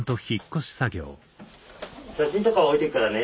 写真とかは置いてくからね。